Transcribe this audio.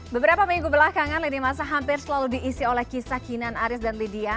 beberapa minggu belakangan lini masa hampir selalu diisi oleh kisah kinan aris dan lydia